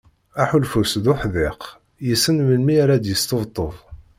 Aḥulfu-s d uḥdiq yessen melmi ara d-yesṭebṭeb.